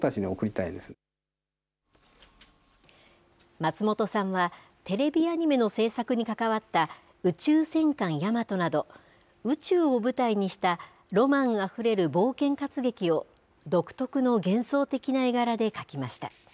松本さんは、テレビアニメの制作に関わった宇宙戦艦ヤマトなど、宇宙を舞台にしたロマンあふれる冒険活劇を、独特の幻想的な絵柄で描きました。